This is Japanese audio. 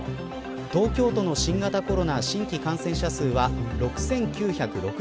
東京都の新型コロナ新規感染者数は６９６８人